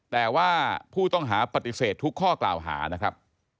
แต่ว่าผู้ต้องหาปฏิเสธทุกข้อกล่าวหานะครับ